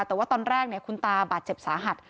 แต่ว่าตอนแรกคุณตาบาดเจ็บสาหัส